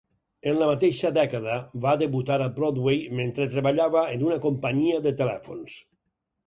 En la mateixa dècada va debutar a Broadway mentre treballava en una companyia de telèfons.